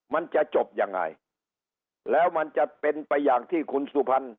มันจะจบยังไงแล้วมันจะเป็นไปอย่างที่คุณสุพรรณ